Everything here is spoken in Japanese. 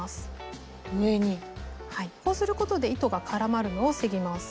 こうすることで糸が絡まるのを防ぎます。